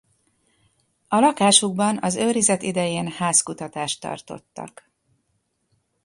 A lakásukban az őrizet idején házkutatást tartottak.